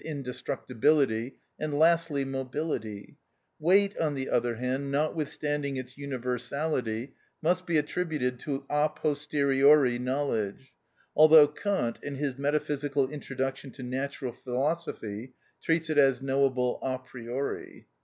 _, indestructibility, and lastly mobility: weight, on the other hand, notwithstanding its universality, must be attributed to a posteriori knowledge, although Kant, in his "Metaphysical Introduction to Natural Philosophy," p. 71 (p. 372 of Rosenkranz's edition), treats it as knowable a priori.